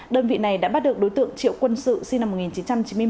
đơn vị này đã bắt được đối tượng triệu quân sự sinh năm một nghìn chín trăm chín mươi một